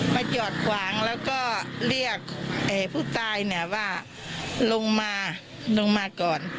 มาจอดขวางแล้วก็เรียกผู้ตายเนี่ยว่าลงมาลงมาก่อน